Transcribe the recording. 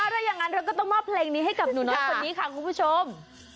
ถ้าอย่างนั้นเราก็ต้องมอบเพลงนี้ให้กับหนูน้อยคนนี้ค่ะคุณผู้ชม